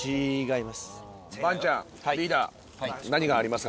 バンチャンリーダー何がありますか？